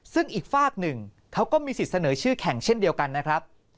ซึ่งอีกฝากหนึ่งเขาก็มีสิทธิ์เสนอชื่อแข่งเช่นเดียวกันนะครับ